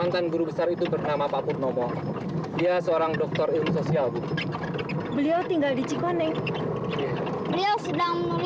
sampai jumpa di video selanjutnya